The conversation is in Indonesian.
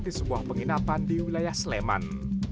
di sebuah penginapan di wilayah sleman